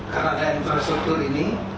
karena ada infrastruktur ini